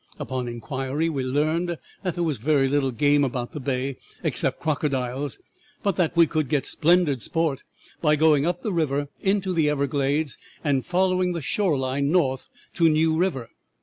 Upon inquiry we learned that there was very little game about the bay except crocodiles, but that we could get splendid sport by going up the river into the everglades and following the shore line north to New River.